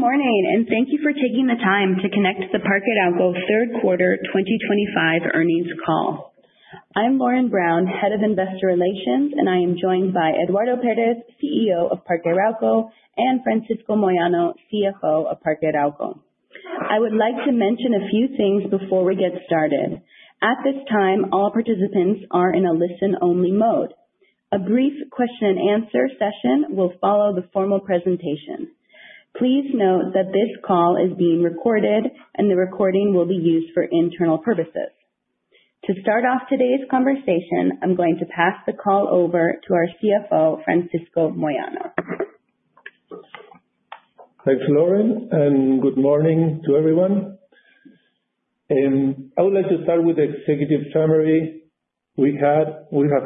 Good morning, and thank you for taking the time to connect to the Parque Arauco Third Quarter 2025 Earnings Call. I'm Lauren Brown, Head of Investor Relations, and I am joined by Eduardo Pérez, CEO of Parque Arauco, and Francisco Moyano, CFO of Parque Arauco. I would like to mention a few things before we get started. At this time, all participants are in a listen-only mode. A brief question and answer session will follow the formal presentation. Please note that this call is being recorded, and the recording will be used for internal purposes. To start off today's conversation, I'm going to pass the call over to our CFO, Francisco Moyano. Thanks, Lauren, and good morning to everyone. I would like to start with the executive summary. We have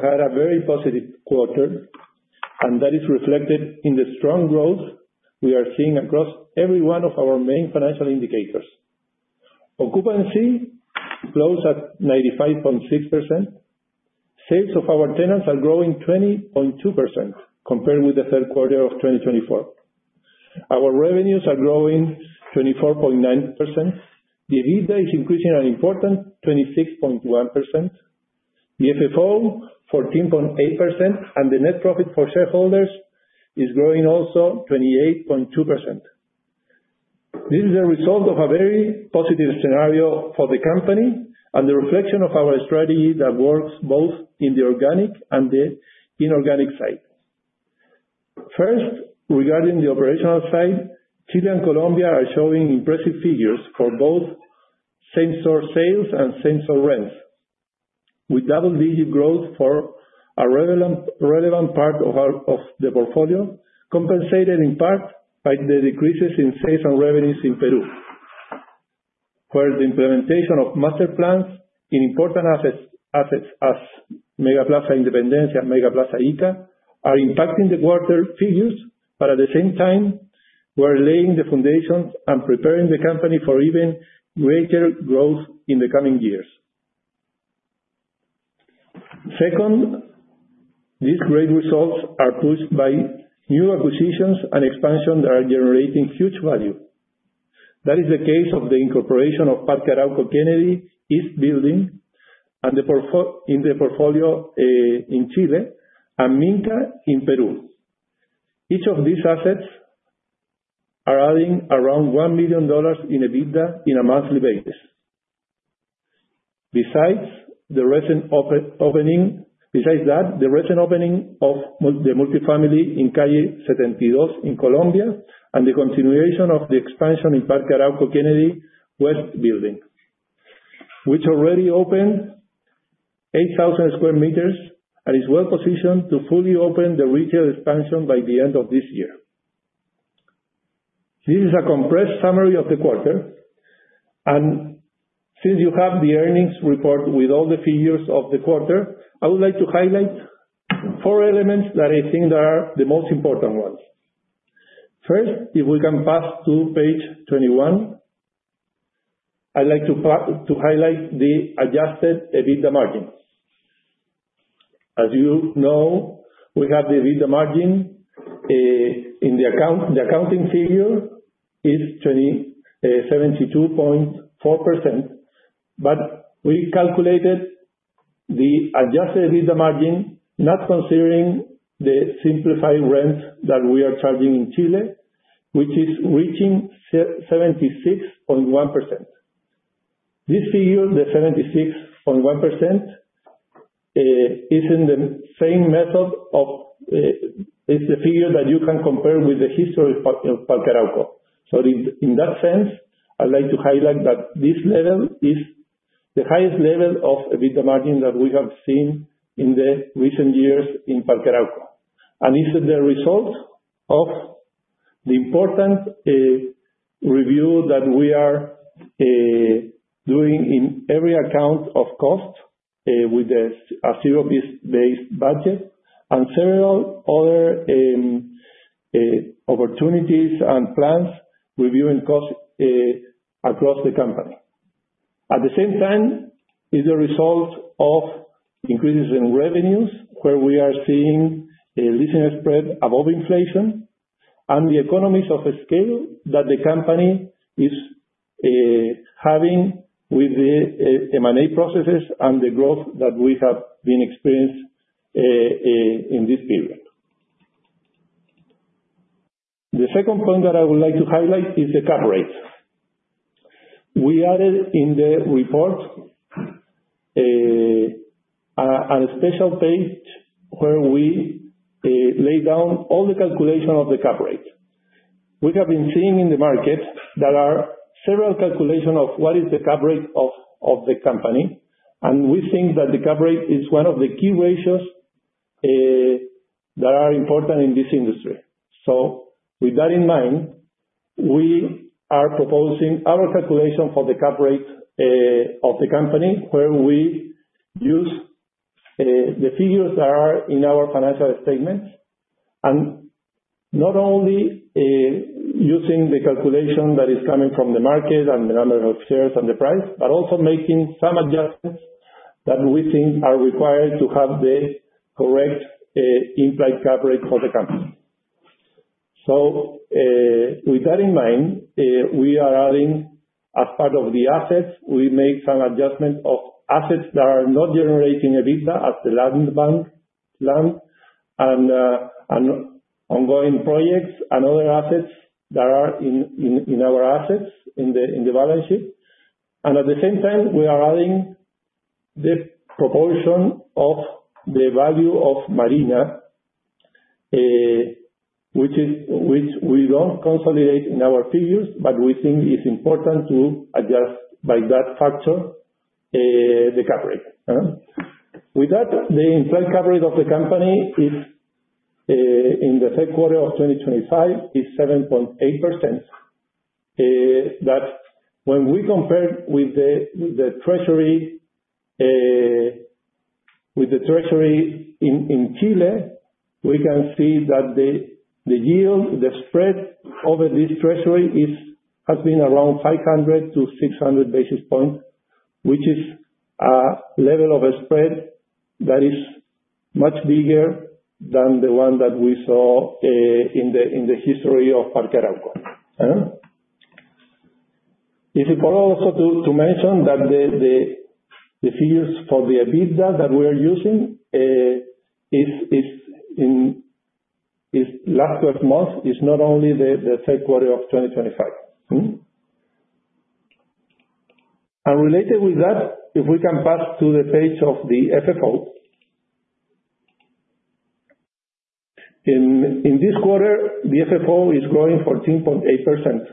had a very positive quarter, and that is reflected in the strong growth we are seeing across every one of our main financial indicators. Occupancy closed at 95.6%. Sales of our tenants are growing 20.2% compared with the third quarter of 2024. Our revenues are growing 24.9%. The EBITDA is increasing an important 26.1%. The FFO, 14.8%, and the net profit for shareholders is growing also 28.2%. This is a result of a very positive scenario for the company and the reflection of our strategy that works both in the organic and the inorganic side. First, regarding the operational side, Chile and Colombia are showing impressive figures for both same-store sales and same-store rents, with double-digit growth for a relevant part of our portfolio, compensated in part by the decreases in sales and revenues in Peru, where the implementation of master plans in important assets as MegaPlaza Independencia and MegaPlaza Ica are impacting the quarter figures. At the same time, we're laying the foundations and preparing the company for even greater growth in the coming years. Second, these great results are pushed by new acquisitions and expansions that are generating huge value. That is the case of the incorporation of Parque Arauco Kennedy East building in the portfolio in Chile and Minka in Peru. Each of these assets are adding around $1 million in EBITDA on a monthly basis. Besides that, the recent opening of the multifamily in Calle 72 in Colombia and the continuation of the expansion in Parque Arauco Kennedy West building, which already opened 8,000 sq m and is well-positioned to fully open the retail expansion by the end of this year. This is a compressed summary of the quarter, and since you have the earnings report with all the figures of the quarter, I would like to highlight four elements that I think are the most important ones. First, if we can pass to page 21, I'd like to highlight the adjusted EBITDA margins. As you know, we have the EBITDA margin in the account. The accounting figure is 72.4%, but we calculated the adjusted EBITDA margin, not considering the simplified rent that we are charging in Chile, which is reaching 76.1%. This figure, the 76.1%, is in the same method of, it's a figure that you can compare with the history of Parque Arauco. In that sense, I'd like to highlight that this level is the highest level of EBITDA margin that we have seen in the recent years in Parque Arauco. This is the result of the important review that we are doing in every account of cost, with a zero-based budget and several other opportunities and plans reviewing costs across the company. At the same time, is a result of increases in revenues, where we are seeing a decent spread above inflation and the economies of a scale that the company is having with the M&A processes and the growth that we have been experienced in this period. The second point that I would like to highlight is the cap rate. We added in the report a special page where we lay down all the calculation of the cap rate. We have been seeing in the market there are several calculation of what is the cap rate of the company, and we think that the cap rate is one of the key ratios that are important in this industry. With that in mind, we are proposing our calculation for the cap rate of the company, where we use the figures that are in our financial statements. Not only using the calculation that is coming from the market and the number of shares and the price, but also making some adjustments that we think are required to have the correct implied coverage for the company. With that in mind, we are adding as part of the assets, we make some adjustments of assets that are not generating EBITDA at the land bank, land, and ongoing projects and other assets that are in our assets in the balance sheet. At the same time, we are adding the proportion of the value of Marina, which is- Which we don't consolidate in our figures, but we think it's important to adjust by that factor, the coverage. With that, the implied coverage of the company is in the third quarter of 2025 7.8%. That when we compare with the treasury in Chile, we can see that the yield, the spread over this treasury has been around 500 basis points-600 basis points, which is a level of a spread that is much bigger than the one that we saw in the history of Parque Arauco. It's important also to mention that the figures for the EBITDA that we are using is last 12 months, not only the third quarter of 2025. Related with that, if we can pass to the page of the FFO. In this quarter, the FFO is growing 14.8%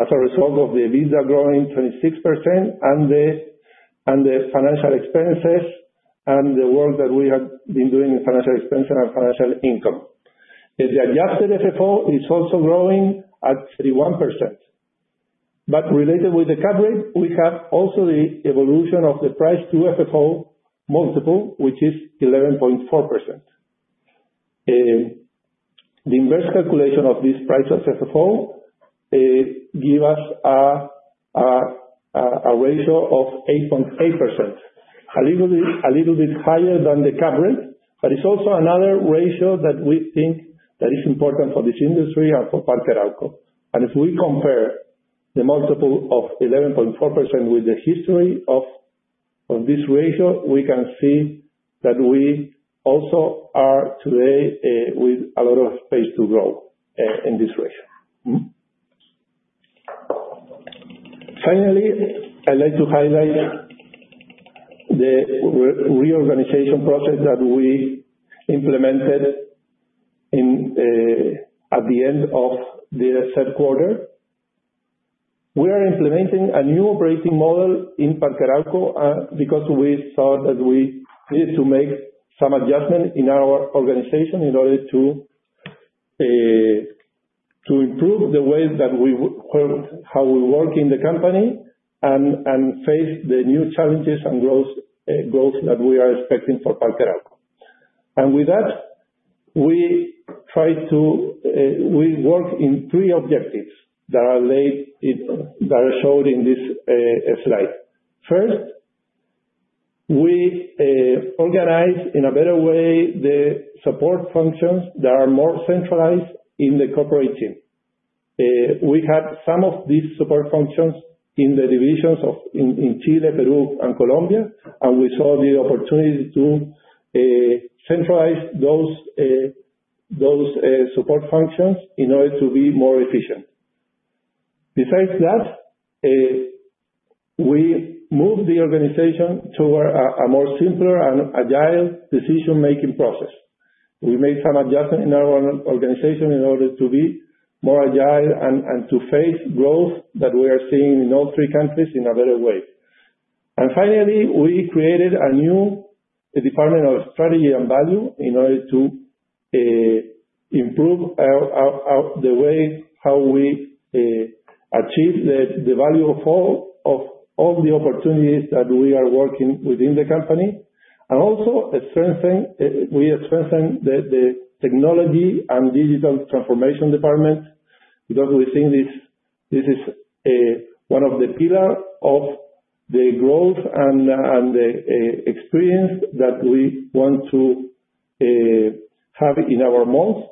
as a result of the EBITDA growing 26% and the financial expenses, and the work that we have been doing in financial expense and our financial income. The adjusted FFO is also growing at 31%. Related with the coverage, we have also the evolution of the price to FFO multiple, which is 11.4%. The inverse calculation of this price of FFO give us a ratio of 8.8%. A little bit higher than the coverage, but it's also another ratio that we think that is important for this industry and for Parque Arauco. If we compare the multiple of 11.4% with the history of this ratio, we can see that we also are today with a lot of space to grow in this ratio. Finally, I'd like to highlight the reorganization process that we implemented at the end of the third quarter. We are implementing a new operating model in Parque Arauco because we saw that we need to make some adjustments in our organization in order to improve the way that we work, how we work in the company and face the new challenges and growth that we are expecting for Parque Arauco. With that, we try to, we work in three objectives that are showed in this slide. First, we organize in a better way the support functions that are more centralized in the corporate team. We had some of these support functions in the divisions in Chile, Peru and Colombia, and we saw the opportunity to centralize those support functions in order to be more efficient. Besides that, we moved the organization toward a more simpler and agile decision-making process. We made some adjustments in our own organization in order to be more agile and to face growth that we are seeing in all three countries in a better way. Finally, we created a new department of strategy and value in order to improve the way how we achieve the value of all the opportunities that we are working within the company. We are strengthening the technology and digital transformation department because we think this is one of the pillar of the growth and the experience that we want to have in our malls.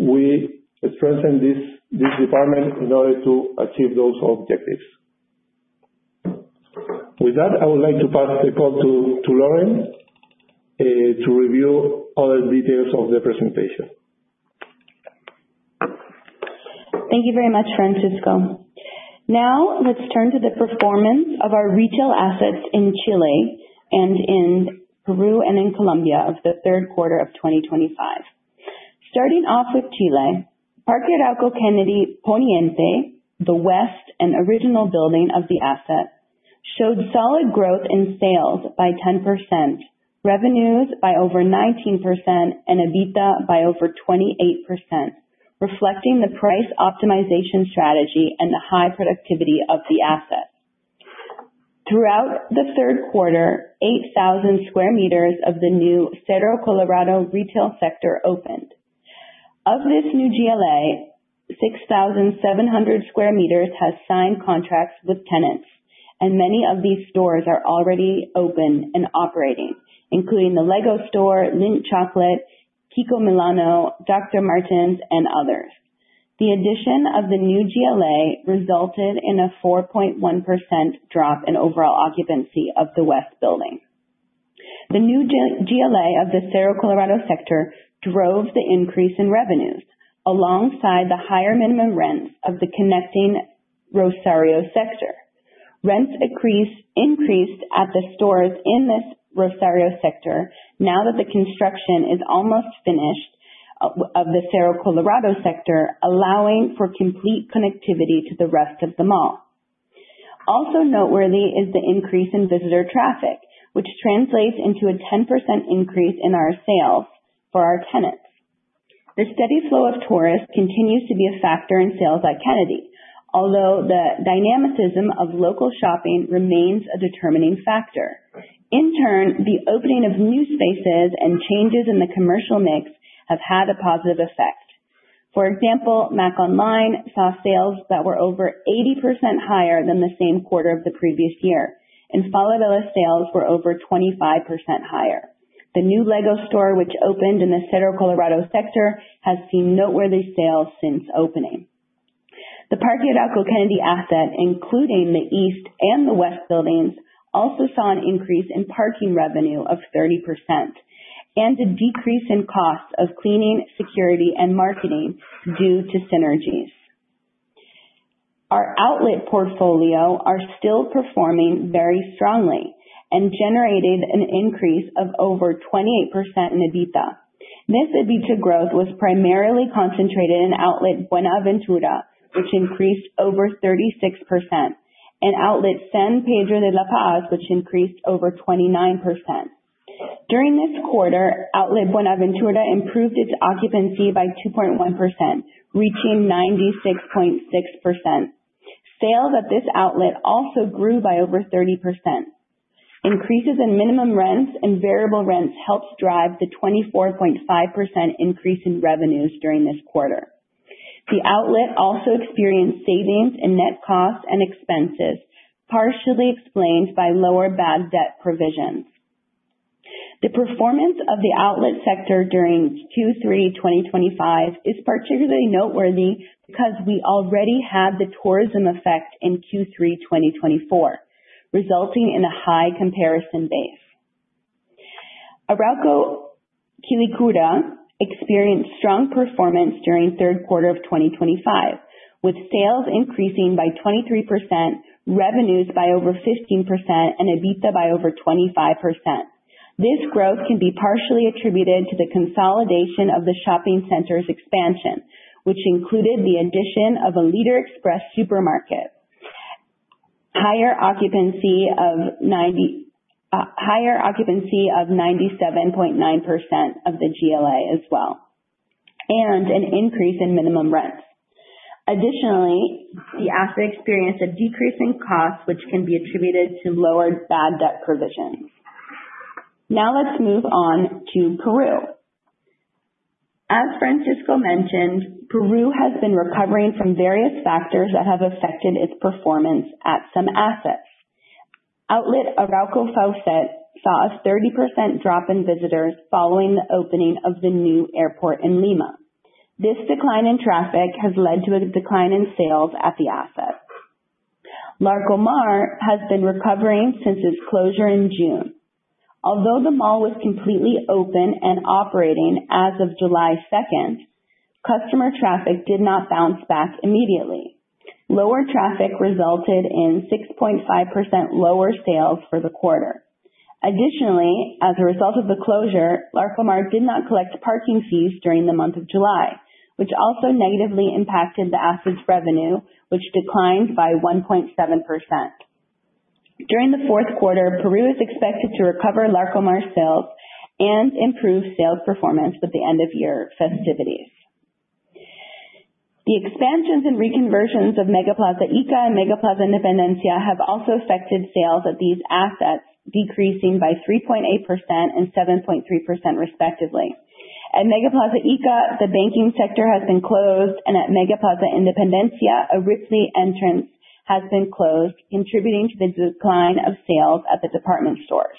We strengthen this department in order to achieve those objectives. With that, I would like to pass the call to Lauren to review other details of the presentation. Thank you very much, Francisco. Now, let's turn to the performance of our retail assets in Chile and in Peru and in Colombia of the third quarter of 2025. Starting off with Chile, Parque Arauco Kennedy West, the west and original building of the asset, showed solid growth in sales by 10%, revenues by over 19% and EBITDA by over 28%, reflecting the price optimization strategy and the high productivity of the asset. Throughout the third quarter, 8,000 sq m of the new Cerro Colorado retail sector opened. Of this new GLA, 6,700 sq m has signed contracts with tenants, and many of these stores are already open and operating, including the Lego Store, Lindt Chocolate, KIKO Milano, Dr. Martens, and others. The addition of the new GLA resulted in a 4.1% drop in overall occupancy of the west building. The new G-GLA of the Cerro Colorado sector drove the increase in revenues alongside the higher minimum rents of the connecting Rosario sector. Rents increased at the stores in this Rosario sector now that the construction is almost finished of the Cerro Colorado sector, allowing for complete connectivity to the rest of the mall. Also noteworthy is the increase in visitor traffic, which translates into a 10% increase in our sales for our tenants. The steady flow of tourists continues to be a factor in sales at Kennedy, although the dynamism of local shopping remains a determining factor. In turn, the opening of new spaces and changes in the commercial mix have had a positive effect. For example, MacOnline saw sales that were over 80% higher than the same quarter of the previous year, and Falabella sales were over 25% higher. The new Lego Store, which opened in the Cerro Colorado sector, has seen noteworthy sales since opening. The Parque Arauco Kennedy asset, including the East and the West buildings, also saw an increase in parking revenue of 30% and a decrease in cost of cleaning, security, and marketing due to synergies. Our outlet portfolio are still performing very strongly and generated an increase of over 28% in EBITDA. This EBITDA growth was primarily concentrated in Outlet Buenaventura, which increased over 36%, and Outlet San Pedro de la Paz, which increased over 29%. During this quarter, Outlet Buenaventura improved its occupancy by 2.1%, reaching 96.6%. Sales at this outlet also grew by over 30%. Increases in minimum rents and variable rents helped drive the 24.5% increase in revenues during this quarter. The outlet also experienced savings in net costs and expenses, partially explained by lower bad debt provisions. The performance of the outlet sector during Q3 2025 is particularly noteworthy because we already had the tourism effect in Q3 2024, resulting in a high comparison base. Arauco Quilicura experienced strong performance during third quarter of 2025, with sales increasing by 23%, revenues by over 15%, and EBITDA by over 25%. This growth can be partially attributed to the consolidation of the shopping center's expansion, which included the addition of a Líder Express supermarket. Higher occupancy of 97.9% of the GLA as well, and an increase in minimum rents. Additionally, the asset experienced a decrease in cost, which can be attributed to lower bad debt provisions. Now let's move on to Peru. As Francisco mentioned, Peru has been recovering from various factors that have affected its performance at some assets. Outlet Arauco Sauces saw a 30% drop in visitors following the opening of the new airport in Lima. This decline in traffic has led to a decline in sales at the asset. Larcomar has been recovering since its closure in June. Although the mall was completely open and operating as of July second, customer traffic did not bounce back immediately. Lower traffic resulted in 6.5% lower sales for the quarter. Additionally, as a result of the closure, Larcomar did not collect parking fees during the month of July, which also negatively impacted the asset's revenue, which declined by 1.7%. During the fourth quarter, Peru is expected to recover Larcomar sales and improve sales performance with the end-of-year festivities. The expansions and reconversions of MegaPlaza Ica and MegaPlaza Independencia have also affected sales at these assets, decreasing by 3.8% and 7.3% respectively. At MegaPlaza Ica, the banking sector has been closed, and at MegaPlaza Independencia, a Ripley entrance has been closed, contributing to the decline of sales at the department stores.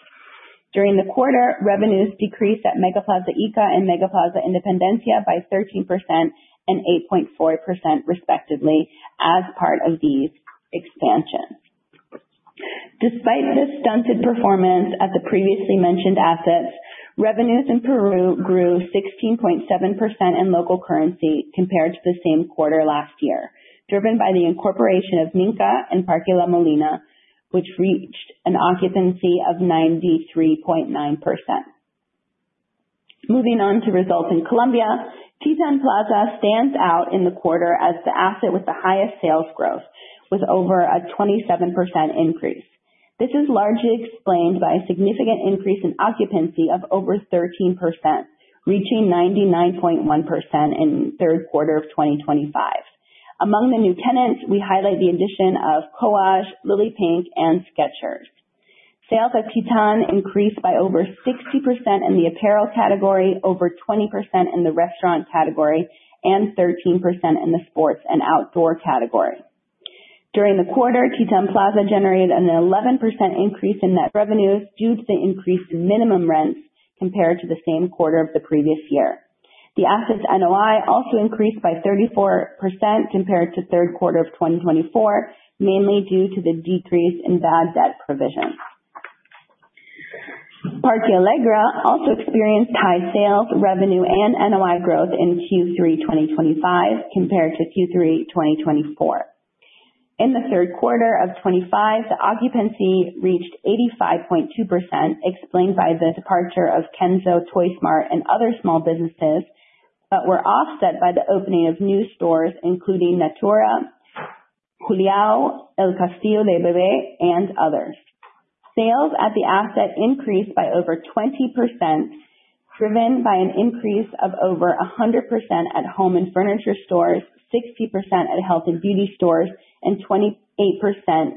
During the quarter, revenues decreased at MegaPlaza Ica and MegaPlaza Independencia by 13% and 8.4% respectively as part of these expansions. Despite this stunted performance at the previously mentioned assets, revenues in Peru grew 16.7% in local currency compared to the same quarter last year, driven by the incorporation of Minka and Parque La Molina, which reached an occupancy of 93.9%. Moving on to results in Colombia. Titán Plaza stands out in the quarter as the asset with the highest sales growth, with over a 27% increase. This is largely explained by a significant increase in occupancy of over 13%, reaching 99.1% in third quarter of 2025. Among the new tenants, we highlight the addition of Coach, Pink Lily, and Skechers. Sales at Titán increased by over 60% in the apparel category, over 20% in the restaurant category, and 13% in the sports and outdoor category. During the quarter, Titán Plaza generated an 11% increase in net revenues due to increased minimum rents compared to the same quarter of the previous year. The asset's NOI also increased by 34% compared to third quarter of 2024, mainly due to the decrease in bad debt provision. Parque Alegra also experienced high sales, revenue and NOI growth in Q3 2025 compared to Q3 2024. In the third quarter of 2025, the occupancy reached 85.2%, explained by the departure of Kenzo, Smart Toys, and other small businesses, but were offset by the opening of new stores, including Natura, Juliao, El Castillo del Bebé, and others. Sales at the asset increased by over 20%, driven by an increase of over 100% at home and furniture stores, 60% at health and beauty stores, and 28%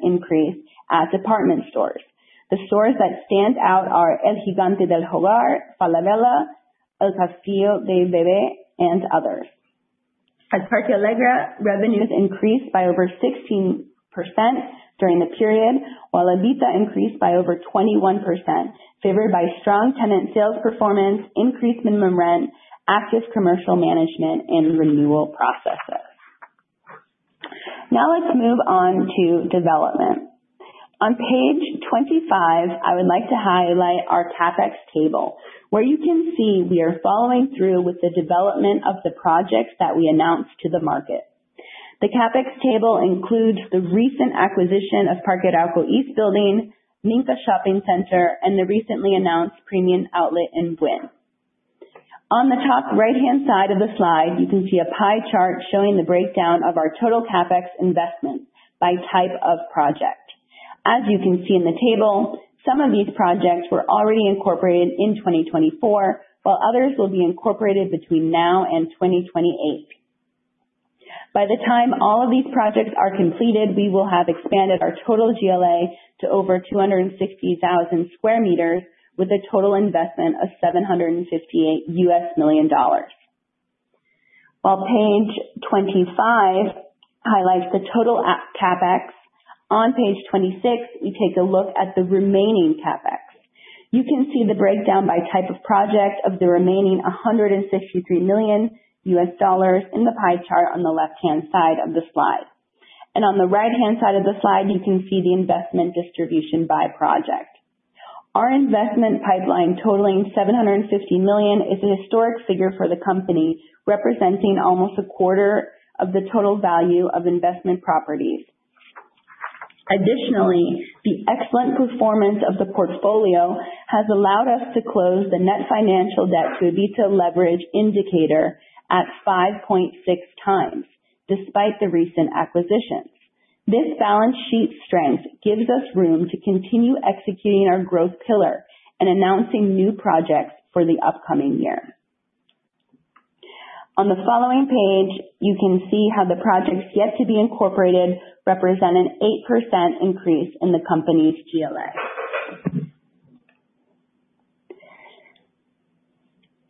increase at department stores. The stores that stand out are El Gigante del Hogar, Falabella, El Castillo del Bebé, and others. At Parque Alegra, revenues increased by over 16% during the period, while NOI increased by over 21%, favored by strong tenant sales performance, increased minimum rent, active commercial management and renewal processes. Now let's move on to development. On page 25, I would like to highlight our CapEx table, where you can see we are following through with the development of the projects that we announced to the market. The CapEx table includes the recent acquisition of Parque Arauco East, Minka Shopping Center, and the recently announced Arauco Premium Outlet Buin. On the top right-hand side of the slide, you can see a pie chart showing the breakdown of our total CapEx investments by type of project. As you can see in the table, some of these projects were already incorporated in 2024, while others will be incorporated between now and 2028. By the time all of these projects are completed, we will have expanded our total GLA to over 260,000 sq m with a total investment of $758 million. While page 25 highlights the total CapEx, on page 26, we take a look at the remaining CapEx. You can see the breakdown by type of project of the remaining $163 million in the pie chart on the left-hand side of the slide. On the right-hand side of the slide, you can see the investment distribution by project. Our investment pipeline totaling $750 million is an historic figure for the company, representing almost a quarter of the total value of investment properties. Additionally, the excellent performance of the portfolio has allowed us to close the net financial debt to EBITDA leverage indicator at 5.6 times, despite the recent acquisitions. This balance sheet strength gives us room to continue executing our growth pillar and announcing new projects for the upcoming year. On the following page, you can see how the projects yet to be incorporated represent an 8% increase in the company's GLA.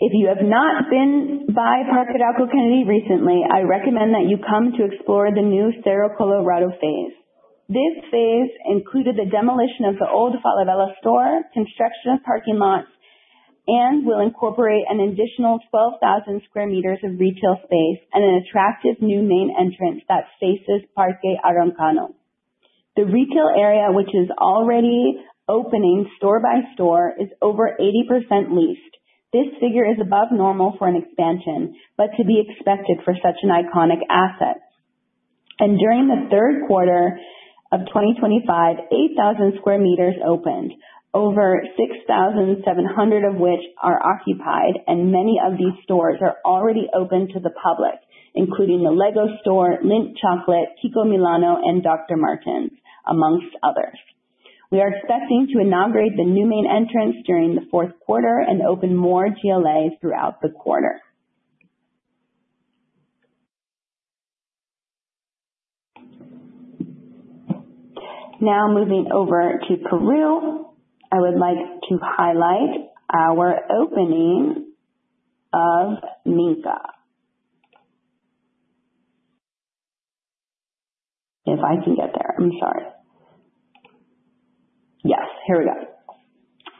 If you have not been by Parque Arauco Kennedy recently, I recommend that you come to explore the new Cerro Colorado phase. This phase included the demolition of the old Falabella store, construction of parking lots, and will incorporate an additional 12,000 sq m of retail space and an attractive new main entrance that faces Parque Araucano. The retail area, which is already opening store by store, is over 80% leased. This figure is above normal for an expansion, but to be expected for such an iconic asset. During the third quarter of 2025, 8,000 sq m opened, over 6,700 of which are occupied, and many of these stores are already open to the public, including the Lego Store, Lindt Chocolate, KIKO Milano, and Dr. Martens, among others. We are expecting to inaugurate the new main entrance during the fourth quarter and open more GLA throughout the quarter. Now, moving over to Peru, I would like to highlight our opening of Minka.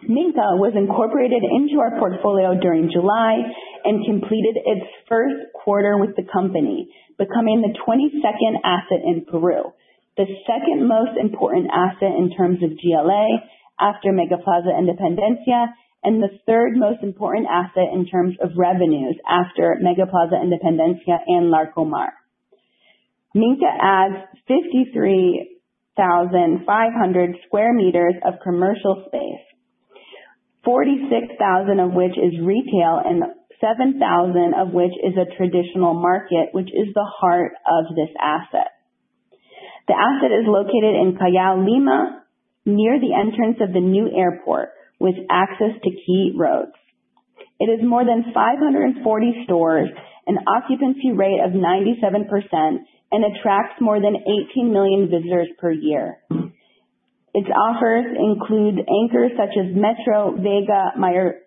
Minka was incorporated into our portfolio during July and completed its first quarter with the company, becoming the 22nd asset in Peru, the second most important asset in terms of GLA after MegaPlaza Independencia, and the third most important asset in terms of revenues after MegaPlaza Independencia and Larcomar. Minka adds 53,500 sq m of commercial space. 46,000 of which is retail and 7,000 of which is a traditional market, which is the heart of this asset. The asset is located in Callao, Lima, near the entrance of the new airport with access to key roads. It is more than 540 stores, an occupancy rate of 97%, and attracts more than 18 million visitors per year. Its offers include anchors such as Metro, Vega, Maestro,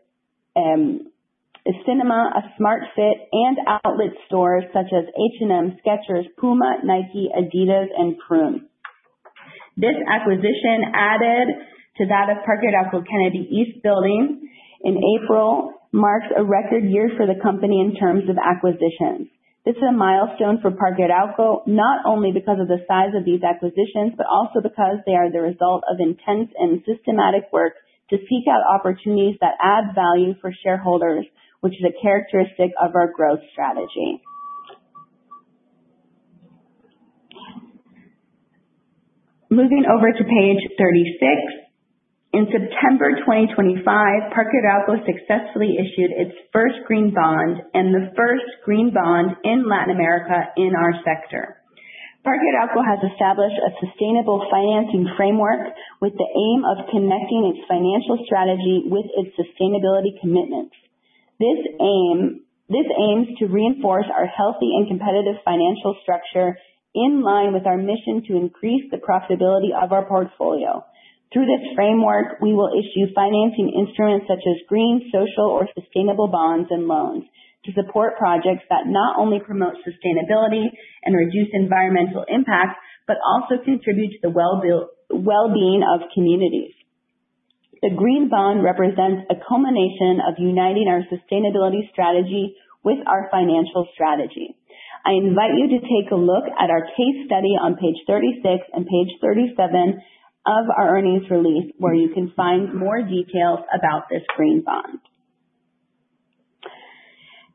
a cinema, a Smart Fit, and outlet stores such as H&M, Skechers, Puma, Nike, Adidas, and Prüne. This acquisition, added to that of Parque Arauco Kennedy East building in April, marks a record year for the company in terms of acquisitions. This is a milestone for Parque Arauco, not only because of the size of these acquisitions, but also because they are the result of intense and systematic work to seek out opportunities that add value for shareholders, which is a characteristic of our growth strategy. Moving over to page 36. In September 2025, Parque Arauco successfully issued its first green bond and the first green bond in Latin America in our sector. Parque Arauco has established a sustainable financing framework with the aim of connecting its financial strategy with its sustainability commitments. This aims to reinforce our healthy and competitive financial structure in line with our mission to increase the profitability of our portfolio. Through this framework, we will issue financing instruments such as green, social or sustainable bonds and loans to support projects that not only promote sustainability and reduce environmental impact, but also contribute to the wellbeing of communities. The green bond represents a culmination of uniting our sustainability strategy with our financial strategy. I invite you to take a look at our case study on page 36 and page 37 of our earnings release, where you can find more details about this green bond.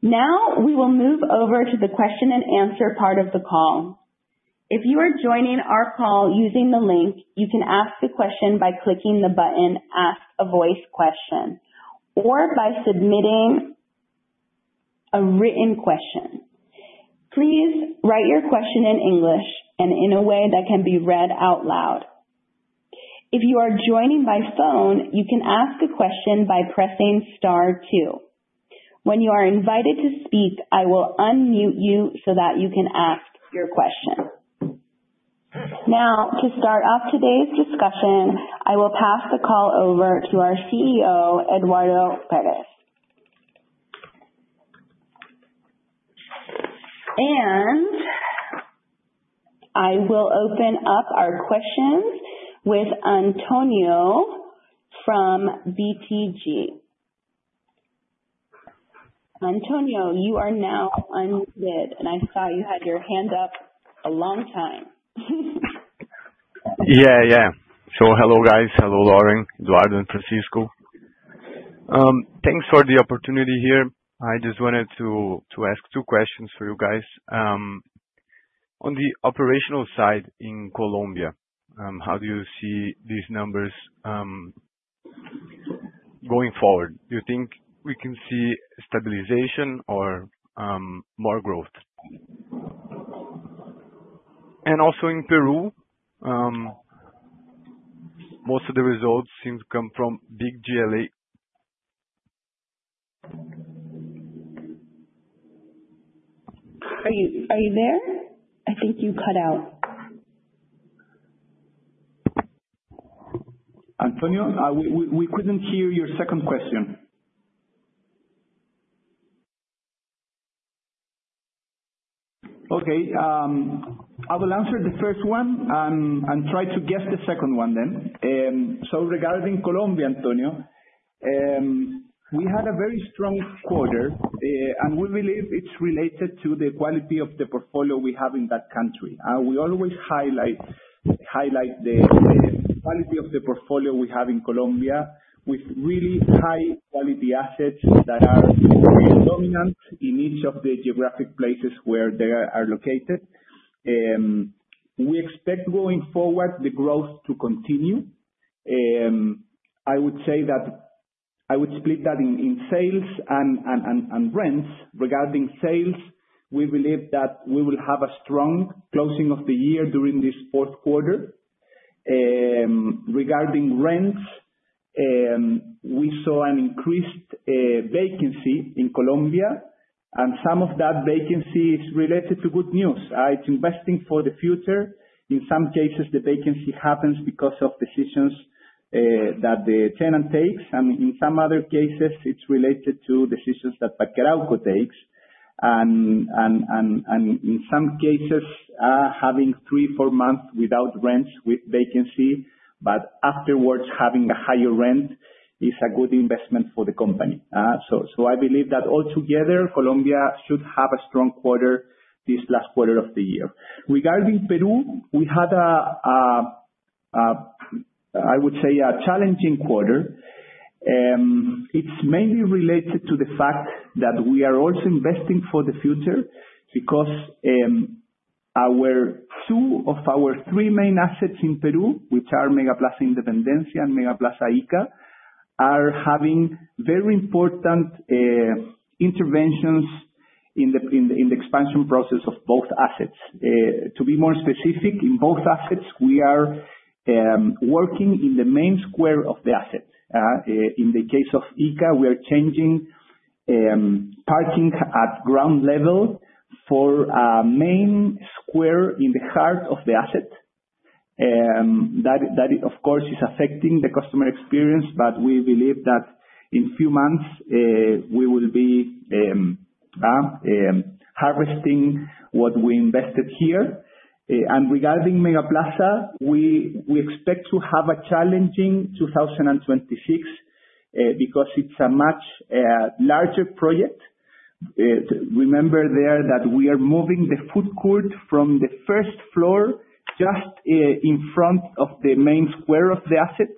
Now we will move over to the question and answer part of the call. If you are joining our call using the link, you can ask the question by clicking the button, Ask a voice question or by submitting a written question. Please write your question in English and in a way that can be read out loud. If you are joining by phone, you can ask a question by pressing star two. When you are invited to speak, I will unmute you so that you can ask your question. Now to start off today's discussion, I will pass the call over to our CEO, Eduardo Pérez. And, I will open up our questions with Antonio from BTG. Antonio, you are now unmuted, and I saw you had your hand up a long time. Hello, guys. Hello, Lauren, Eduardo and Francisco. Thanks for the opportunity here. I just wanted to ask two questions for you guys. On the operational side in Colombia, how do you see these numbers going forward? Do you think we can see stabilization or more growth? Also in Peru, most of the results seem to come from big GLA- Are you there? I think you cut out. Antonio, we couldn't hear your second question. Okay. I will answer the first one and try to guess the second one then. Regarding Colombia, Antonio, we had a very strong quarter, and we believe it's related to the quality of the portfolio we have in that country. We always highlight the quality of the portfolio we have in Colombia with really high quality assets that are very dominant in each of the geographic places where they are located. We expect going forward the growth to continue. I would say I would split that in sales and rents. Regarding sales, we believe that we will have a strong closing of the year during this fourth quarter. Regarding rents, we saw an increased vacancy in Colombia, and some of that vacancy is related to good news. It's investing for the future. In some cases, the vacancy happens because of decisions that the tenant takes, and in some other cases it's related to decisions that Parque Arauco takes. In some cases, having three, four months without rents with vacancy, but afterwards having a higher rent is a good investment for the company. I believe that altogether Colombia should have a strong quarter this last quarter of the year. Regarding Peru, we had a challenging quarter, I would say. It's mainly related to the fact that we are also investing for the future because our two of our three main assets in Peru, which are MegaPlaza Independencia and MegaPlaza Ica, are having very important interventions in the expansion process of both assets. To be more specific, in both assets, we are working in the main square of the asset. In the case of Ica, we are changing parking at ground level for a main square in the heart of the asset. That of course is affecting the customer experience, but we believe that in few months we will be harvesting what we invested here. Regarding MegaPlaza, we expect to have a challenging 2026 because it's a much larger project. Remember there that we are moving the food court from the first floor just in front of the main square of the asset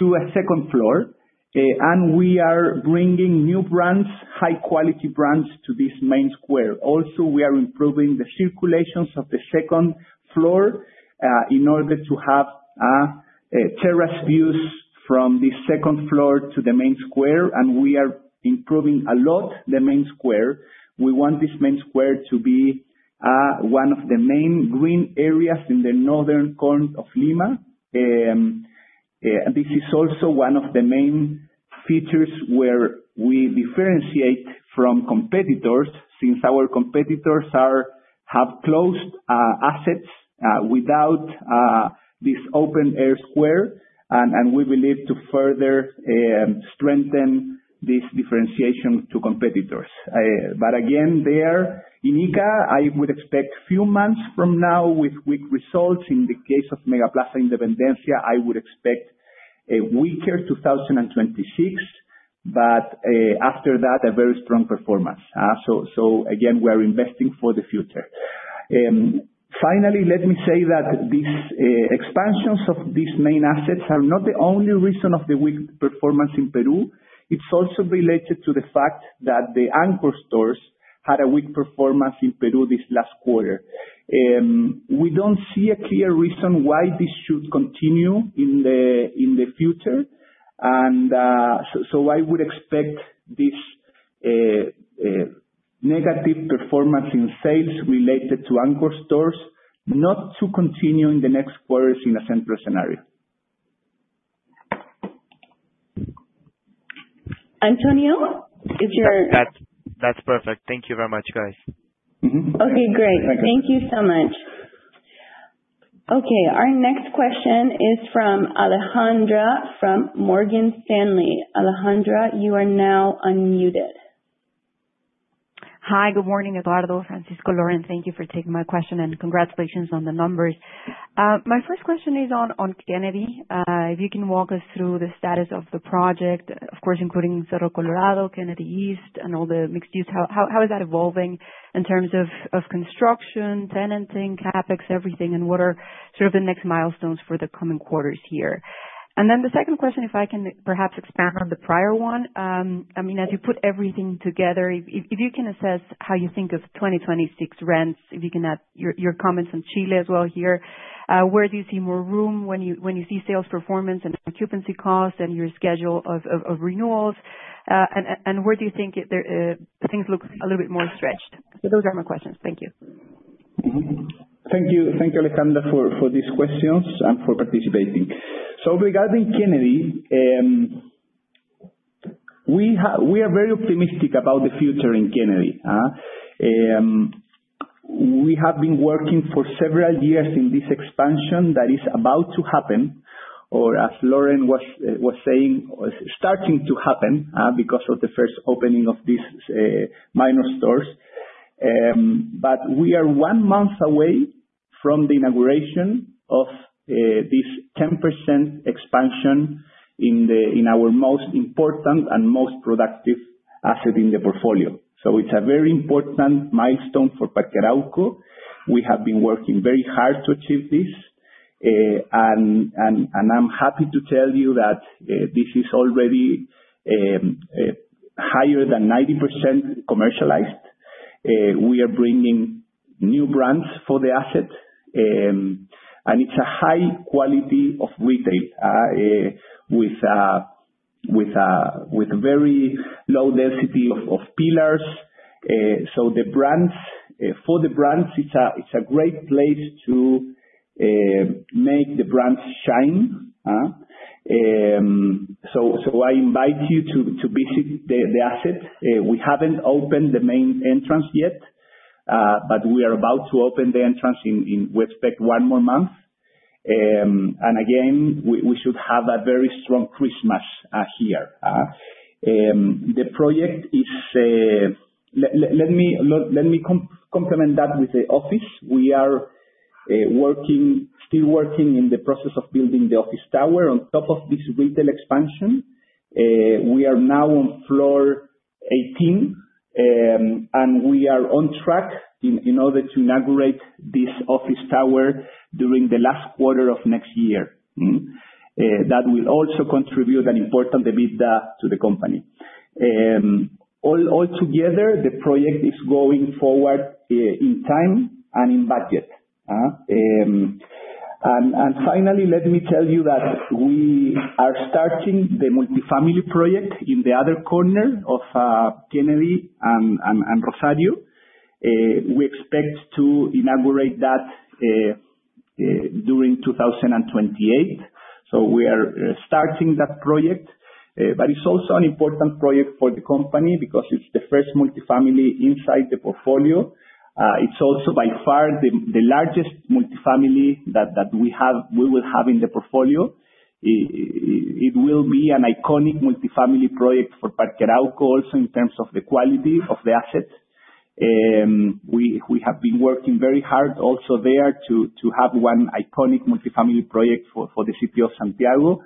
to a second floor. We are bringing new brands, high quality brands to this main square. Also, we are improving the circulations of the second floor in order to have terrace views from the second floor to the main square, and we are improving a lot the main square. We want this main square to be one of the main green areas in the northern corner of Lima. This is also one of the main features where we differentiate from competitors since our competitors have closed assets without this open air square, and we believe to further strengthen this differentiation to competitors. Again, there in Ica, I would expect few months from now with weak results. In the case of MegaPlaza Independencia, I would expect a weaker 2026, but after that, a very strong performance. Again, we're investing for the future. Finally, let me say that these expansions of these main assets are not the only reason of the weak performance in Peru. It's also related to the fact that the anchor stores had a weak performance in Peru this last quarter. We don't see a clear reason why this should continue in the future. I would expect this negative performance in sales related to anchor stores not to continue in the next quarters in a central scenario. Antonio, if you're- That's perfect. Thank you very much, guys. Okay, great. Thank you so much. Okay, our next question is from Alejandra from Morgan Stanley. Alejandra, you are now unmuted. Hi. Good morning, Eduardo, Francisco, Lauren. Thank you for taking my question, and congratulations on the numbers. My first question is on Kennedy. If you can walk us through the status of the project, of course, including Cerro Colorado, Kennedy East and all the mixed use. How is that evolving in terms of construction, tenanting, CapEx, everything, and what are sort of the next milestones for the coming quarters here? I can perhaps expand on the prior one. I mean, as you put everything together, if you can assess how you think of 2026 rents, if you can add your comments on Chile as well here. Where do you see more room when you see sales performance and occupancy costs and your schedule of renewals? Where do you think there things look a little bit more stretched? Those are my questions. Thank you. Mm-hmm. Thank you. Thank you, Alejandra, for these questions and for participating. Regarding Kennedy, we are very optimistic about the future in Kennedy. We have been working for several years in this expansion that is about to happen. As Lauren was saying, starting to happen, because of the first opening of these minor stores. We are one month away from the inauguration of this 10% expansion in our most important and most productive asset in the portfolio. It's a very important milestone for Parque Arauco. We have been working very hard to achieve this. And I'm happy to tell you that this is already higher than 90% commercialized. We are bringing new brands for the asset. It's a high quality of retail with a very low density of pillars. For the brands, it's a great place to make the brands shine. I invite you to visit the asset. We haven't opened the main entrance yet, but we are about to open the entrance in one more month. Again, we should have a very strong Christmas here. Let me complement that with the office. We are still working in the process of building the office tower on top of this retail expansion. We are now on floor 18, and we are on track in order to inaugurate this office tower during the last quarter of next year. That will also contribute an important EBITDA to the company. All together, the project is going forward in time and in budget. Finally, let me tell you that we are starting the multi-family project in the other corner of Kennedy and Rosario. We expect to inaugurate that during 2028. We are starting that project. It's also an important project for the company because it's the first multi-family inside the portfolio. It's also by far the largest multi-family that we will have in the portfolio. It will be an iconic multi-family project for Parque Arauco also in terms of the quality of the assets. We have been working very hard also there to have one iconic multi-family project for the city of Santiago.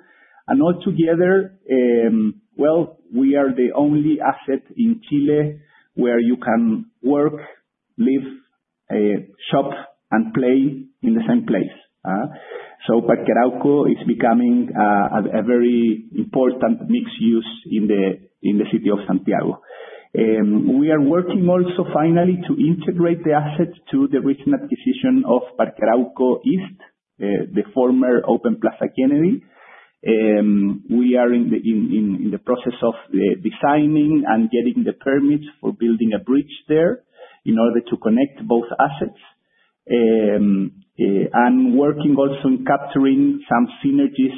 All together, we are the only asset in Chile where you can work, live, shop, and play in the same place. Parque Arauco is becoming a very important mixed use in the city of Santiago. We are working also finally to integrate the assets to the recent acquisition of Parque Arauco East, the former Open Plaza in Chile. We are in the process of designing and getting the permits for building a bridge there in order to connect both assets. Working also on capturing some synergies,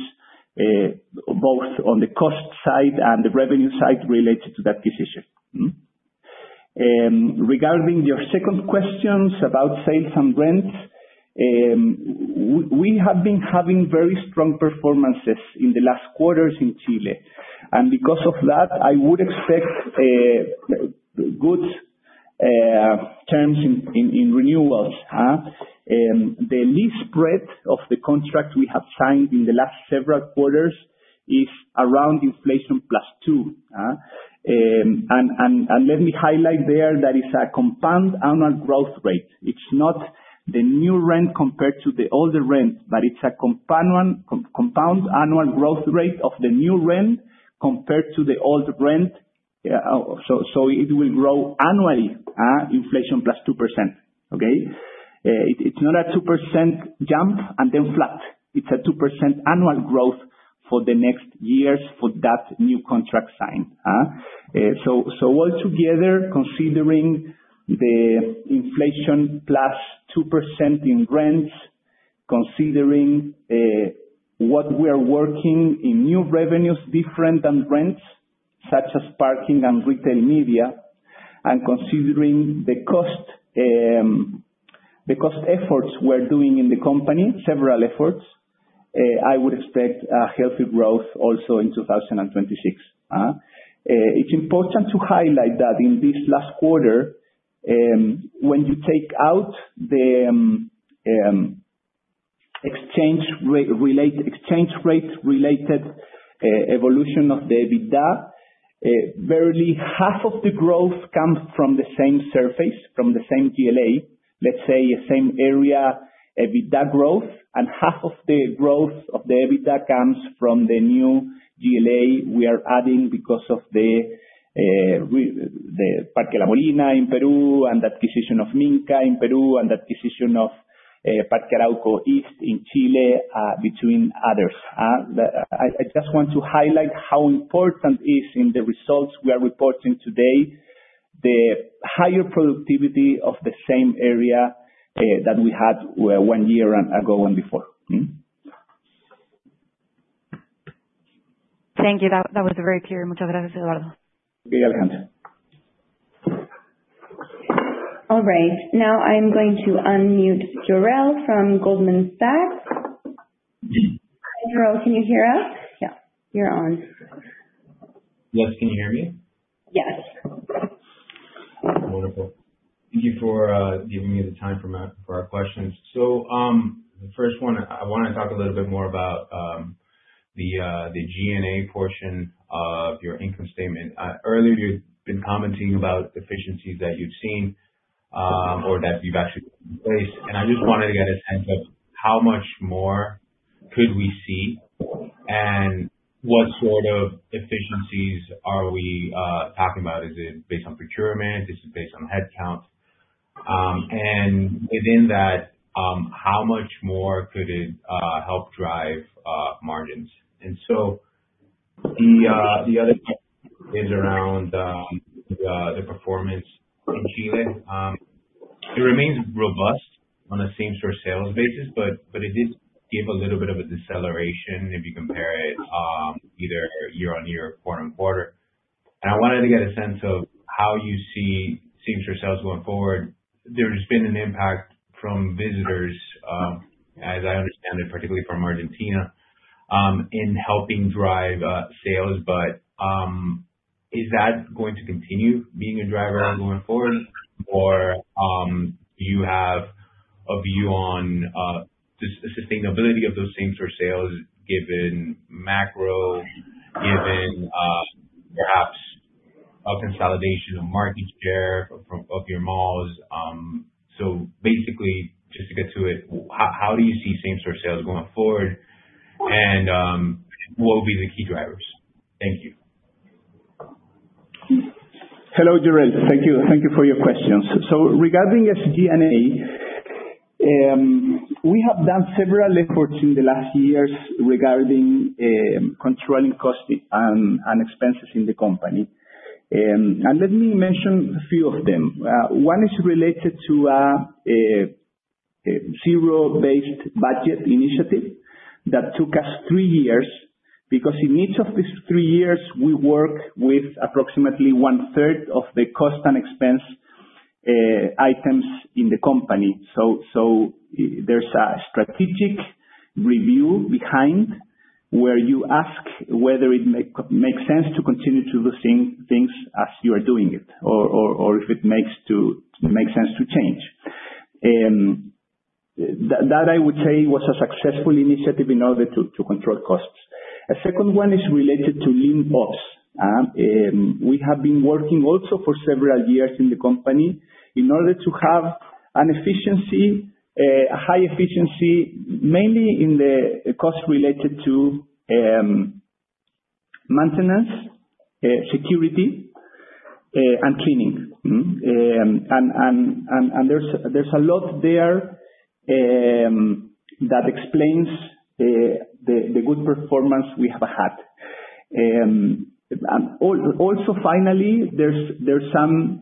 both on the cost side and the revenue side related to that decision. Regarding your second questions about sales and rents, we have been having very strong performances in the last quarters in Chile, and because of that, I would expect good terms in renewals. The leasing spread of the contract we have signed in the last several quarters is around inflation plus two. Let me highlight there that is a compound annual growth rate. It's not the new rent compared to the older rent, but it's a compound annual growth rate of the new rent compared to the old rent. It will grow annually, inflation plus 2%, okay? It's not a 2% jump and then flat. It's a 2% annual growth for the next years for that new contract signed. All together, considering the inflation plus 2% in rents, considering what we are working in new revenues different than rents, such as parking and retail media, and considering the cost efforts we're doing in the company, several efforts, I would expect a healthy growth also in 2026. It's important to highlight that in this last quarter, when you take out the exchange rates related evolution of the EBITDA, barely half of the growth comes from the same surface, from the same GLA, let's say same area EBITDA growth, and half of the growth of the EBITDA comes from the new GLA we are adding because of the Parque La Molina in Peru, and the acquisition of Minka in Peru, and the acquisition of Parque Arauco East in Chile, among others. I just want to highlight how important is in the results we are reporting today, the higher productivity of the same area that we had one year ago and before. Thank you. That was very clear. All right. Now I'm going to unmute Jarel from Goldman Sachs. Jarel, can you hear us? Yeah, you're on. Yes. Can you hear me? Yes. Wonderful. Thank you for giving me the time for our questions. The first one, I wanna talk a little bit more about the SG&A portion of your income statement. Earlier you've been commenting about efficiencies that you've seen or that you've actually realized, and I just wanted to get a sense of how much more could we see and what sort of efficiencies are we talking about. Is it based on procurement? Is it based on headcounts? And within that, how much more could it help drive margins? The other is around the performance in Chile. It remains robust on a same-store sales basis, but it did give a little bit of a deceleration if you compare it either year-on-year or quarter-on-quarter. I wanted to get a sense of how you see same-store sales going forward. There's been an impact from visitors, as I understand it, particularly from Argentina, in helping drive sales. Is that going to continue being a driver going forward? Do you have a view on the sustainability of those same-store sales given macro, given perhaps a consolidation of market share from your malls? Basically just to get to it, how do you see same-store sales going forward and what will be the key drivers? Thank you. Hello, Jarel. Thank you. Thank you for your questions. Regarding SG&A, we have done several efforts in the last years regarding controlling costs and expenses in the company. Let me mention a few of them. One is related to a zero-based budgeting initiative that took us three years. Because in each of these three years, we work with approximately one third of the cost and expense items in the company. There's a strategic review behind where you ask whether it make sense to continue to do same things as you are doing it or if it makes sense to change. That I would say was a successful initiative in order to control costs. A second one is related to lean ops. We have been working also for several years in the company in order to have an efficiency, a high efficiency, mainly in the costs related to maintenance, security, and cleaning. There's a lot there that explains the good performance we have had. Also finally, there's some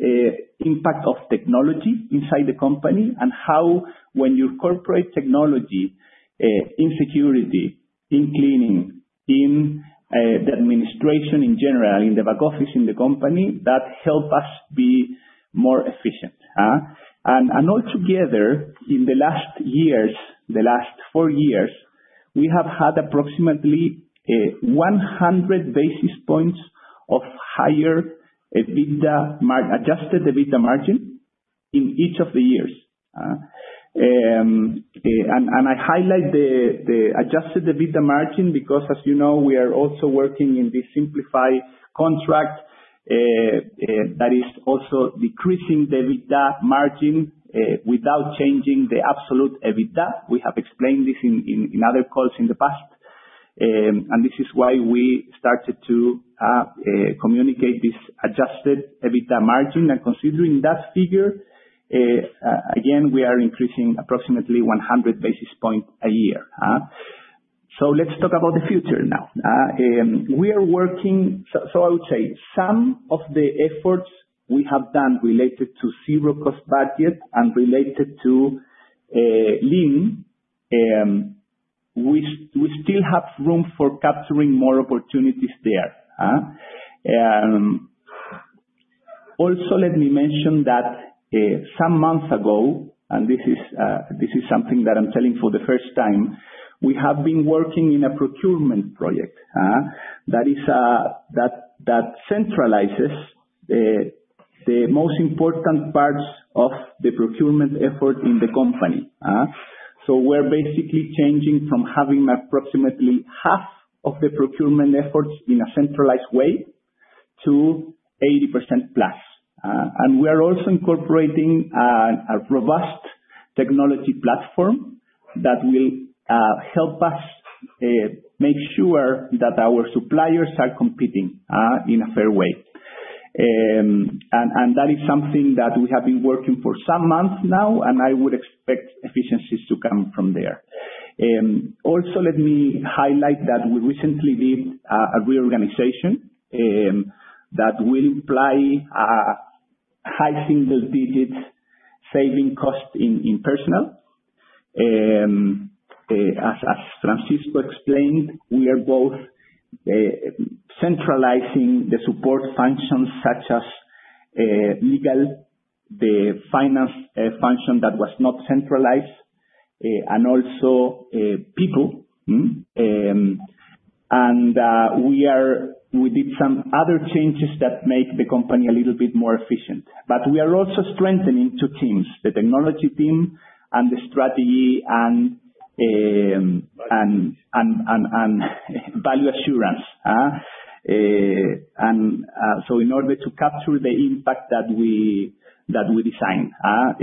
impact of technology inside the company, and how when you incorporate technology in security, in cleaning, in the administration in general, in the back office in the company, that help us be more efficient. All together in the last years, the last four years, we have had approximately 100 basis points of higher adjusted EBITDA margin in each of the years. I highlight the adjusted EBITDA margin because as you know, we are also working in this simplified contract that is also decreasing the EBITDA margin without changing the absolute EBITDA. We have explained this in other calls in the past. This is why we started to communicate this adjusted EBITDA margin. Considering that figure, again, we are increasing approximately 100 basis points a year. Let's talk about the future now. I would say some of the efforts we have done related to zero-based budgeting and related to lean ops. We still have room for capturing more opportunities there. Also let me mention that some months ago, and this is something that I'm telling for the first time, we have been working in a procurement project that centralizes the most important parts of the procurement effort in the company. We're basically changing from having approximately half of the procurement efforts in a centralized way to 80% plus. We are also incorporating a robust technology platform that will help us make sure that our suppliers are competing in a fair way. That is something that we have been working for some months now, and I would expect efficiencies to come from there. Also let me highlight that we recently did a reorganization that will imply a high single digits saving cost in personnel. As Francisco explained, we are both centralizing the support functions such as legal, the finance function that was not centralized, and also people. We did some other changes that make the company a little bit more efficient. We are also strengthening two teams, the technology team and the strategy and value assurance. In order to capture the impact that we design. All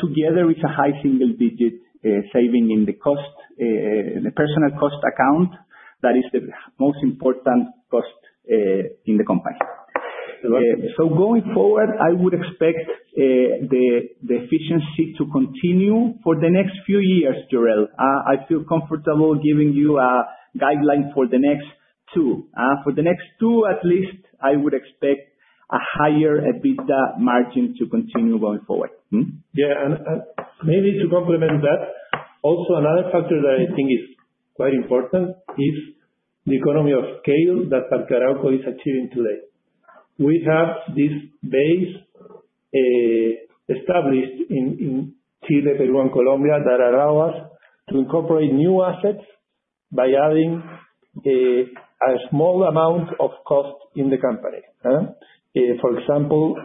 together it's a high single digit saving in the cost, the personnel cost account. That is the most important cost in the company. Jarel. Going forward, I would expect the efficiency to continue for the next few years, Jarel. I feel comfortable giving you a guideline for the next two. For the next two at least, I would expect a higher EBITDA margin to continue going forward. Yeah. Maybe to complement that, also another factor that I think is quite important is the economies of scale that Parque Arauco is achieving today. We have this base established in Chile, Peru, and Colombia that allow us to incorporate new assets by adding a small amount of cost in the company. For example,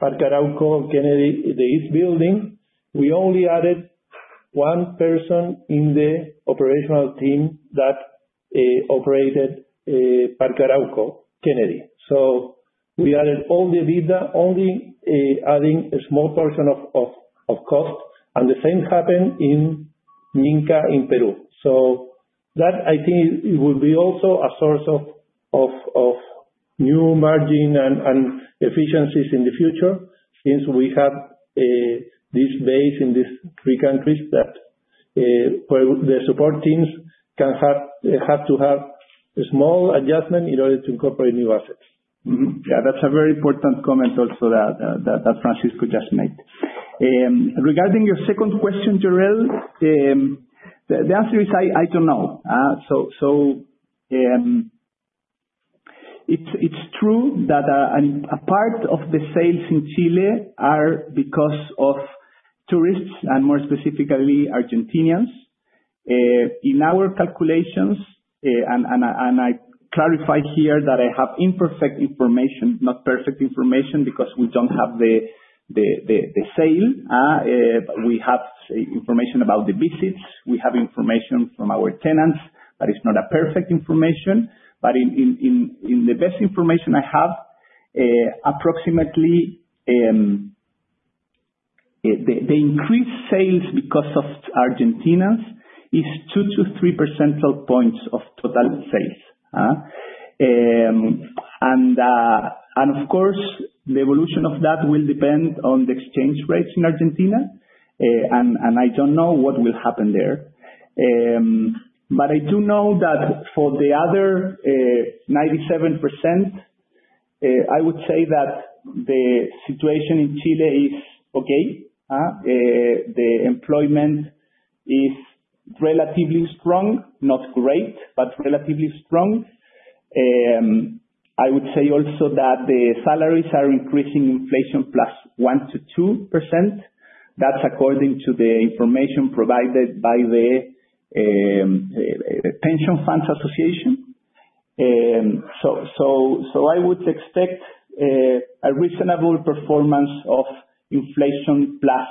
Parque Arauco Kennedy, the East building, we only added one person in the operational team that operated Parque Arauco Kennedy. So we added only EBITDA, only adding a small portion of cost. The same happened in- Minka in Peru. I think it will be also a source of new margin and efficiencies in the future since we have this base in these three countries that where the support teams can have to have a small adjustment in order to incorporate new assets. Mm-hmm. Yeah, that's a very important comment also that Francisco just made. Regarding your second question, Jarel, the answer is I don't know. It's true that a part of the sales in Chile are because of tourists, and more specifically Argentinians. In our calculations, and I clarify here that I have imperfect information, not perfect information, because we don't have the sale. We have information about the visits, we have information from our tenants, but it's not a perfect information. In the best information I have, approximately, the increased sales because of Argentinians is 2%-3% percentage points of total sales. Of course, the evolution of that will depend on the exchange rates in Argentina, and I don't know what will happen there. I do know that for the other 97%, I would say that the situation in Chile is okay, the employment is relatively strong, not great, but relatively strong. I would say also that the salaries are increasing inflation plus 1%-2%. That's according to the information provided by the pension funds association. I would expect a reasonable performance of inflation plus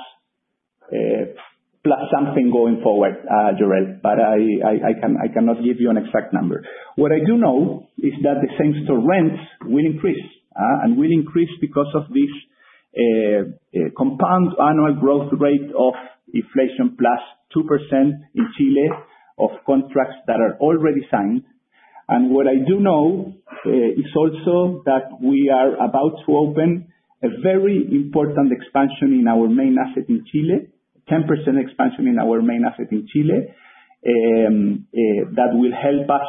something going forward, Jarel. But I cannot give you an exact number. What I do know is that the same-store rents will increase because of this compound annual growth rate of inflation plus 2% in Chile of contracts that are already signed. What I do know is also that we are about to open a very important expansion in our main asset in Chile, 10% expansion in our main asset in Chile, that will help us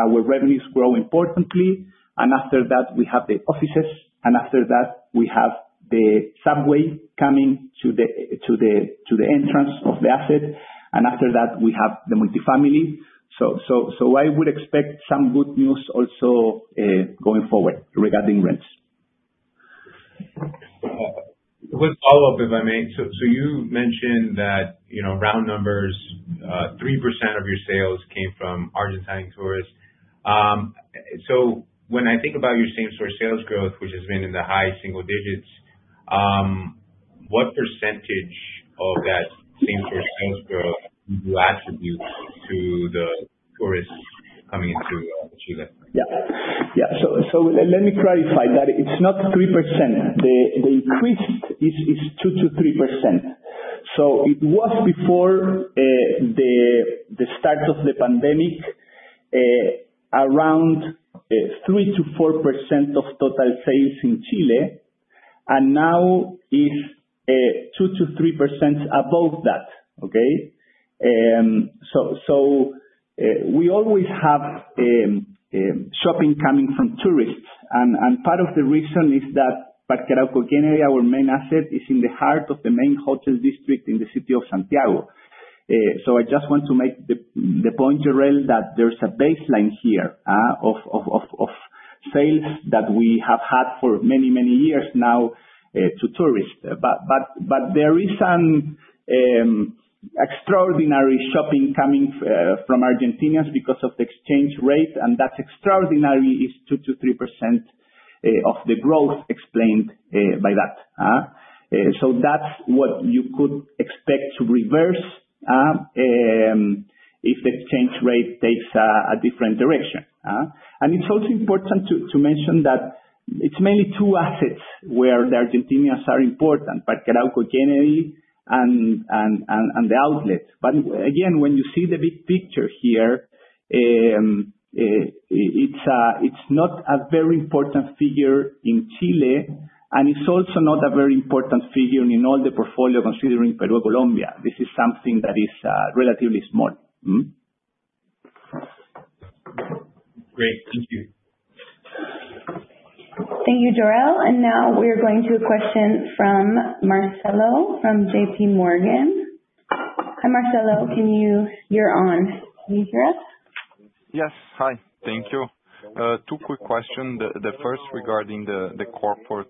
our revenues grow importantly. After that, we have the offices, and after that, we have the subway coming to the entrance of the asset, and after that, we have the multifamily. I would expect some good news also going forward regarding rents. One follow-up, if I may. You mentioned that round numbers 3% of your sales came from Argentine tourists. When I think about your same-store sales growth, which has been in the high single digits, what percentage of that same-store sales growth would you attribute to the tourists coming in through Chile? Let me clarify that it's not 3%. The increase is 2%-3%. It was before the start of the pandemic, around 3%-4% of total sales in Chile, and now is 2%-3% above that, okay? We always have shopping coming from tourists. Part of the reason is that Parque Arauco in our main asset is in the heart of the main hotel district in the city of Santiago. I just want to make the point, Jarel, that there's a baseline here of sales that we have had for many years now to tourists. There is some extraordinary shopping coming from Argentinians because of the exchange rate, and that's extraordinary is 2%-3% of the growth explained by that. That's what you could expect to reverse if the exchange rate takes a different direction? It's also important to mention that it's mainly two assets where the Argentinians are important, Parque Arauco generally and the outlet. Again, when you see the big picture here, it's not a very important figure in Chile, and it's also not a very important figure in all the portfolio considering Peru, Colombia. This is something that is relatively small. Mm-hmm. Great. Thank you. Thank you, Jarel. Now we're going to a question from Marcelo from JP Morgan. Hi, Marcelo. Can you? You're on. Can you hear us? Yes. Hi. Thank you. Two quick questions. The first regarding the corporate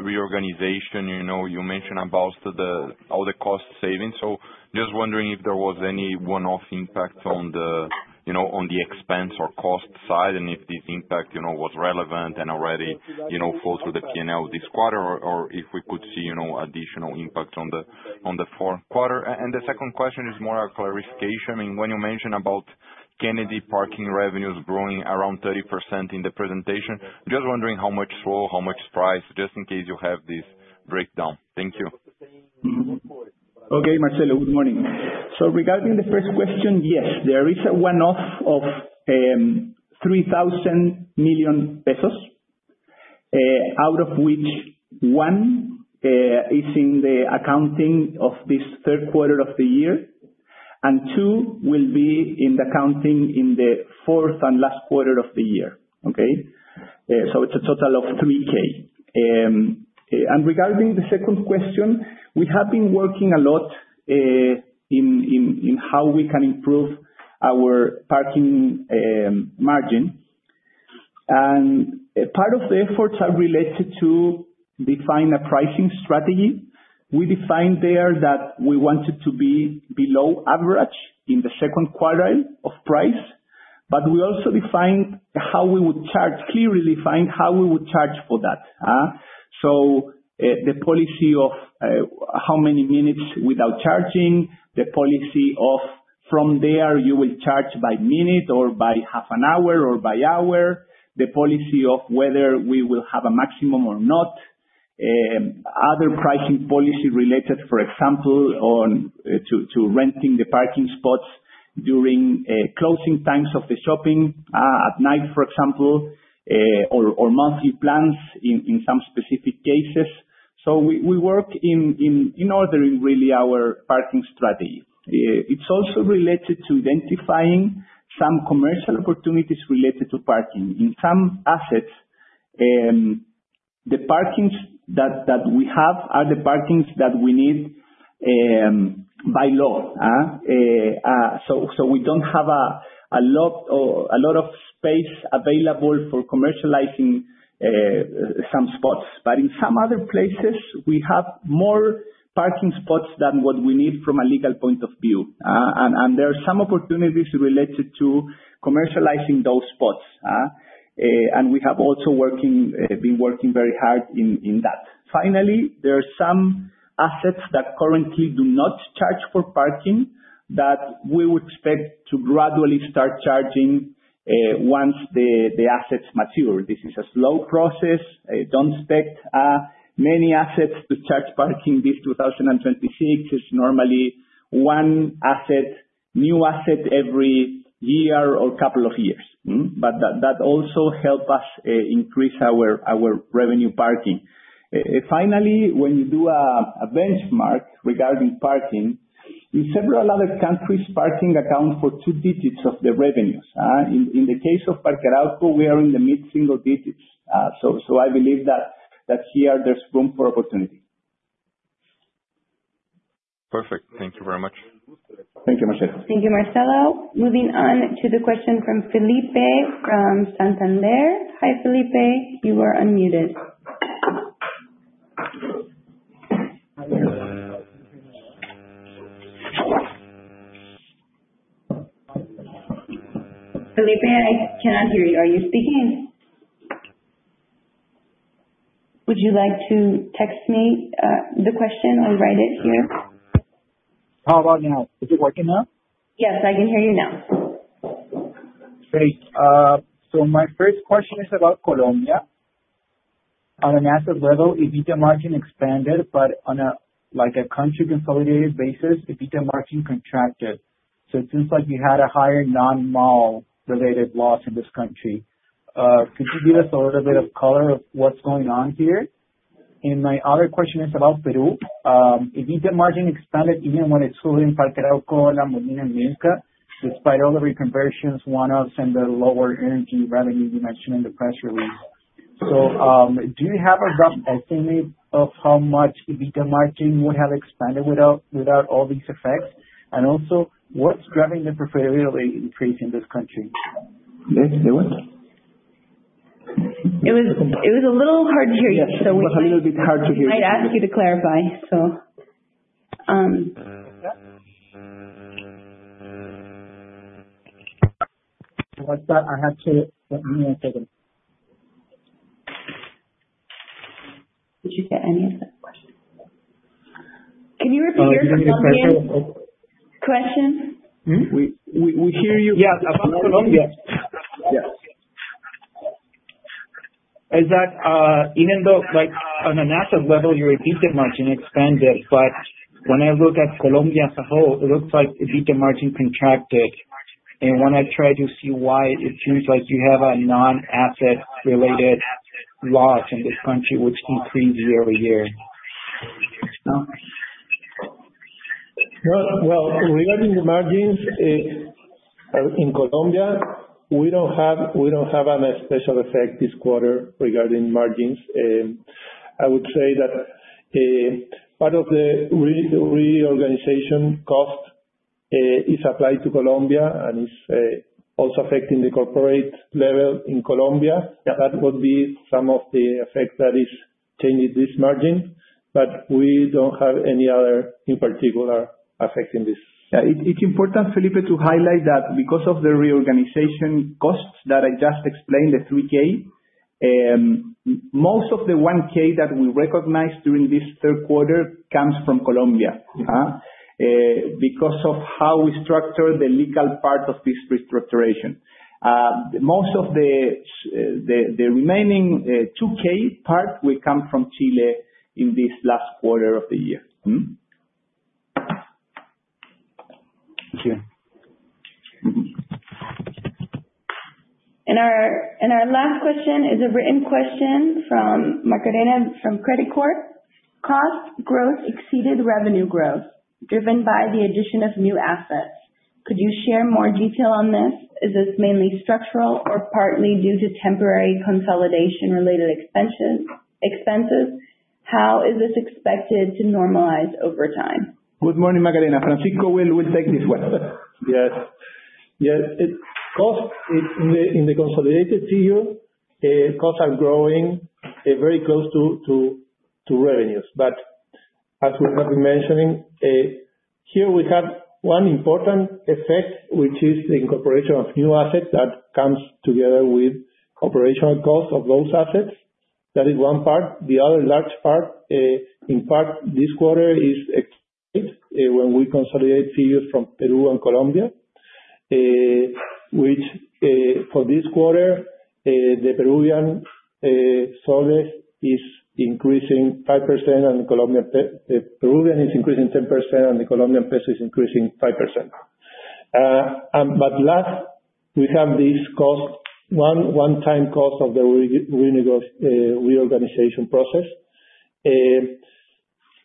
reorganization. You know, you mentioned about all the cost savings. Just wondering if there was any one-off impact on the expense or cost side, and if this impact was relevant and already flow through the P&L this quarter or if we could see additional impact on the fourth quarter. The second question is more a clarification. I mean, when you mention about- Kennedy parking revenues growing around 30% in the presentation. Just wondering how much flow, how much price, just in case you have this breakdown. Thank you. Okay, Marcelo, good morning. Regarding the first question, yes, there is a one-off of 3 billion pesos, out of which 1 billion is in the accounting of this third quarter of the year, and 2 billion will be in the accounting in the fourth and last quarter of the year. Okay? It's a total of 3K. Regarding the second question, we have been working a lot in how we can improve our parking margin. Part of the efforts are related to define a pricing strategy. We defined there that we wanted to be below average in the second quartile of price, but we also defined how we would charge, clearly defined how we would charge for that. The policy of how many minutes without charging, the policy of from there, you will charge by minute or by half an hour or by hour, the policy of whether we will have a maximum or not. Other pricing policy related, for example, on to renting the parking spots during closing times of the shopping at night, for example, or monthly plans in some specific cases. We work in ordering really our parking strategy. It's also related to identifying some commercial opportunities related to parking. In some assets, the parkings that we have are the parkings that we need by law. We don't have a lot of space available for commercializing some spots. In some other places we have more parking spots than what we need from a legal point of view. And there are some opportunities related to commercializing those spots. And we have also been working very hard in that. Finally, there are some assets that currently do not charge for parking that we would expect to gradually start charging once the assets mature. This is a slow process. Don't expect many assets to charge parking this 2026. It's normally one new asset every year or couple of years. That also helps us increase our parking revenue. Finally, when you do a benchmark regarding parking, in several other countries, parking accounts for two digits of the revenues. In the case of Parque Arauco, we are in the mid-single digits. I believe that here there's room for opportunity. Perfect. Thank you very much. Thank you, Marcelo. Thank you, Marcelo. Moving on to the question from Felipe from Santander. Hi, Felipe. You are unmuted. Felipe, I cannot hear you. Are you speaking? Would you like to text me the question or write it here? How about now? Is it working now? Yes, I can hear you now. Great. My first question is about Colombia. On an asset level, EBITDA margin expanded, but on a country consolidated basis, EBITDA margin contracted. It seems like you had a higher non-mall related loss in this country. Could you give us a little bit of color on what's going on here? My other question is about Peru. EBITDA margin expanded even when it's only in Parque Arauco and La Molina, Minka, despite all the reconversions one-offs and the lower energy revenue you mentioned in the press release. Do you have a rough estimate of how much EBITDA margin would have expanded without all these effects? Also, what's driving the profitability increase in this country? Yes. It was a little hard to hear you. Yes. It was a little bit hard to hear. I'd ask you to clarify. Like that, I have to, give me a second. Did you get any of the questions? Can you repeat your Colombia question? We hear you. Yeah. About Colombia. Yes. Is that even though like on a national level, your EBITDA margin expanded, but when I look at Colombia as a whole, it looks like EBITDA margin contracted. When I try to see why, it seems like you have a non-asset related loss in this country which increased year over year. Well regarding the margins, in Colombia, we don't have a special effect this quarter regarding margins. I would say that part of the reorganization cost is applied to Colombia and is also affecting the corporate level in Colombia. Yeah. That would be some of the effect that is changing this margin, but we don't have any other in particular affecting this. Yeah. It's important, Felipe, to highlight that because of the reorganization costs that I just explained, the 3,000 and most of the 1,000 that we recognize during this third quarter comes from Colombia because of how we structure the legal part of this restructuring. Most of the remaining 2,000 part will come from Chile in this last quarter of the year. Thank you. Mm-hmm. Our last question is a written question from Macarena, from Credicorp. Cost growth exceeded revenue growth driven by the addition of new assets. Could you share more detail on this? Is this mainly structural or partly due to temporary consolidation-related expansion expenses? How is this expected to normalize over time? Good morning, Macarena. Francisco will take this one. Yes. Yes. It costs in the consolidated P&L, costs are growing very close to revenues. As we have been mentioning, here we have one important effect, which is the incorporation of new assets that comes together with operational costs of those assets. That is one part. The other large part, in fact, this quarter is when we consolidate fees from Peru and Colombia, which, for this quarter, the Peruvian soles is increasing 10% and the Colombian peso is increasing 5%. We have this one time cost of the reorganization process.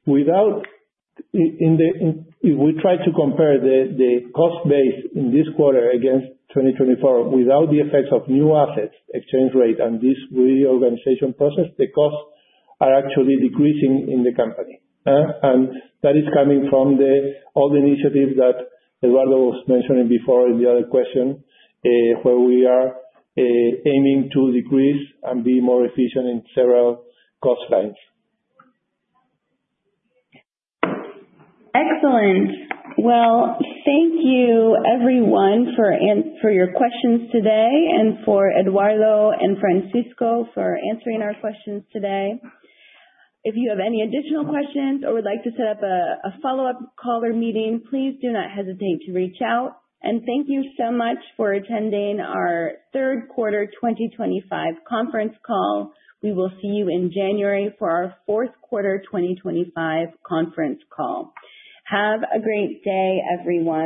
Without it in the- If we try to compare the cost base in this quarter against 2024 without the effects of new assets, exchange rate and this reorganization process, the costs are actually decreasing in the company. That is coming from all the initiatives that Eduardo was mentioning before in the other question, where we are aiming to decrease and be more efficient in several cost sides. Excellent. Well, thank you everyone for your questions today, and for Eduardo and Francisco for answering our questions today. If you have any additional questions or would like to set up a follow-up call or meeting, please do not hesitate to reach out. Thank you so much for attending our Third Quarter 2025 Conference Call. We will see you in January for our Fourth Quarter 2025 Conference Call. Have a great day, everyone.